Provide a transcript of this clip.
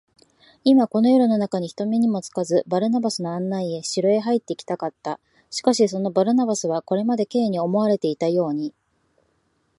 今、この夜なかに、人目にもつかず、バルナバスの案内で城へ入っていきたかった。しかし、そのバルナバスは、これまで Ｋ に思われていたように、